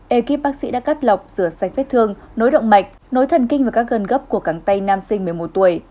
ekip bác sĩ đã cắt lọc rửa sạch vết thương nối động mạch nối thần kinh và các gân gấp của cẳng tay nam sinh một mươi một tuổi